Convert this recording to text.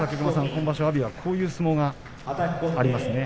今場所の阿炎はこういう相撲がありますね。